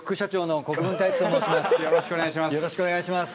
よろしくお願いします。